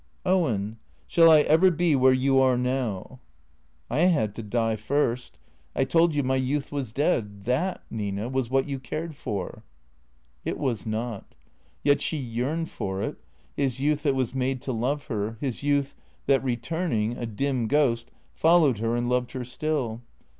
" Owen — shall I ever be where you are now ?"" I had to die first. I told you my youth was dead. That, Nina, was what you cared for." It was not. Yet she yearned for it — his youth that was made to love her, his youth that returning, a dim ghost, fol lowed her and loved her still.